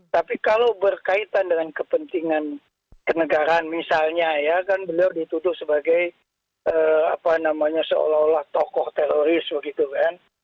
tapi kalau berkaitan dengan kepentingan kenegaraan misalnya ya kan beliau dituduh sebagai apa namanya seolah olah tokoh teroris begitu kan